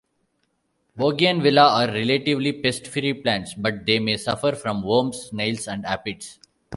Bougainvillea are relatively pest-free plants, but they may suffer from worms, snails and aphids.